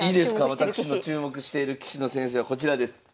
私の注目している棋士の先生はこちらです。